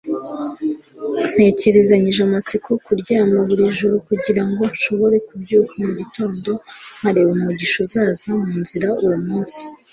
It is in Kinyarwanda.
ntegerezanyije amatsiko kuryama buri joro kugirango nshobore kubyuka mugitondo nkareba umugisha uzaza munzira uwo munsi